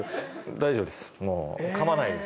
大丈夫です。